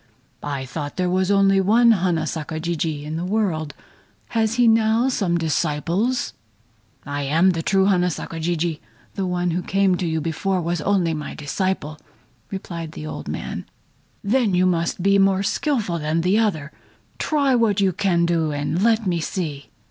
"I thought there was only one Hana Saka Jijii in the world! Has he now some disciples?" "I am the true Hana Saka Jijii. The one who came to you before was only my disciple!" replied the old man again. "Then you must be more skillful than the other. Try what you can do and let me see!"